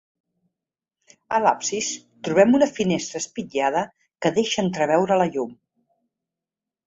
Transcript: A l'absis trobem una finestra espitllada que deixa entreveure la llum.